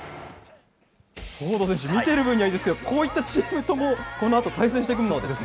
フォード選手、見てる分にはいいですけど、こういったチームともこのあと対戦していくわけですね。